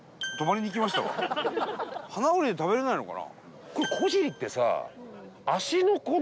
はなをりで食べれないのかな？